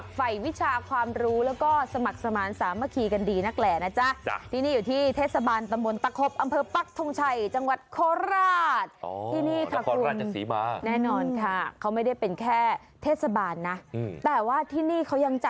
ใส่ชุดนักเรียนคอนทรงครสมแต่ว่าทรงผมนี้ไม่ได้ทำสีล่ะจ๊ะ